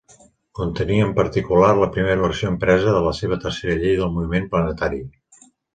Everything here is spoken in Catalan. Contenia en particular, la primera versió impresa de la seva tercera llei del moviment planetari.